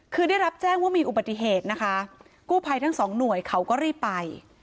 คือได้รับแจ้งว่ามีอุบัติเหตุนะคะกู้ภัยทั้งสองหน่วยเขาก็รีบไป